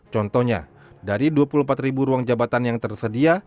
contohnya dari dua puluh empat ribu ruang jabatan yang tersedia